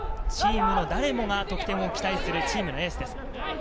チームの誰もが得点を期待するチームのエースです。